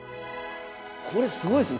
これすごいっすね。